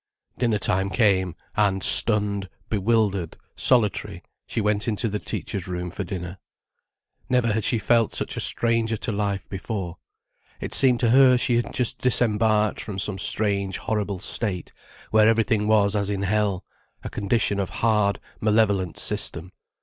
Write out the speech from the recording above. Dinner time came, and stunned, bewildered, solitary, she went into the teachers' room for dinner. Never had she felt such a stranger to life before. It seemed to her she had just disembarked from some strange horrible state where everything was as in hell, a condition of hard, malevolent system.